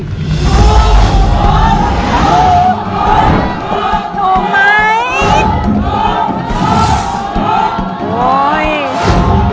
ถูกไหม